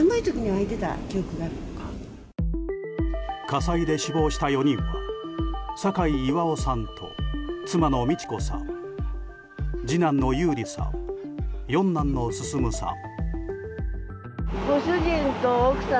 火災で死亡した４人は酒井巌さんと妻の道子さん、次男の優里さん四男の進さん。